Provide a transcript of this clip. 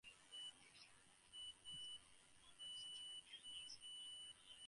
Ullathorne helped found Saint Osburg's Church in Coventry.